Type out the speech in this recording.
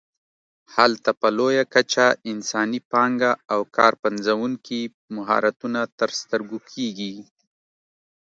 هلته په لویه کچه انساني پانګه او کار پنځوونکي مهارتونه تر سترګو کېږي.